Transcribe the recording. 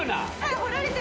掘られてる。